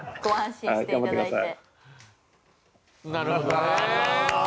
なるほどね。